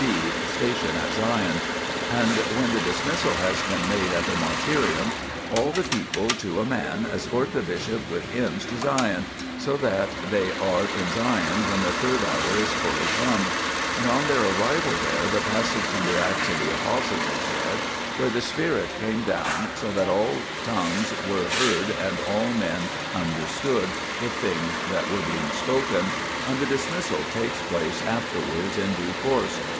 (&) Station at Sion. And when the dismissal has been made at the martyrium, all the people, to a man, escort the bishop with hymns to Sion, [so that] they are in Sion when the third hour is fully come. And on their arrival there the passage from the Acts of the Apostles 2 is read where the Spirit came down so that all tongues [were heard and all men] under stood the things that were being spoken, and the dismissal takes place afterwards in due course.